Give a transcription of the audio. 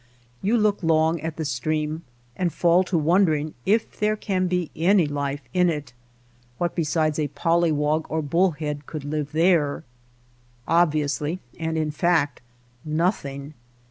Yon look long at the stream and fall to wondering if there can be any life in it. What besides a polywog or a bnllhead could live there ? Obviously, and in fact — nothing.